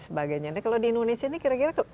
sebagainya kalau di indonesia ini kira kira